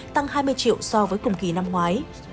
tăng hai mươi triệu so với cùng kỳ năm ngoái